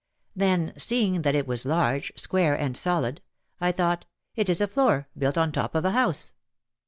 Then seeing that it was large, square and solid. I thought "It is a floor, built on top of a house.